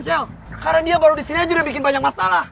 sel karena dia baru disini aja udah bikin banyak masalah